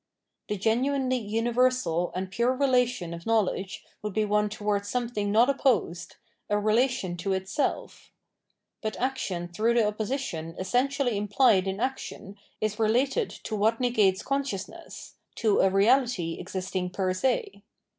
The genuinely universal and pure relation of knowledge would be one towards soraetbing not op posed, a relation to itself. But action througb. tbe oppo sition essentially impbed in action is related to wbat negates consciousness, to a reality existing per se.